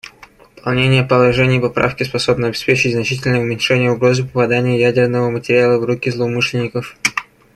Выполнение положений Поправки способно обеспечить значительное уменьшение угрозы попадания ядерного материала в руки злоумышленников.